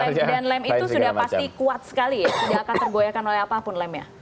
dan lem itu sudah pasti kuat sekali ya tidak akan tergoyakan oleh apapun lemnya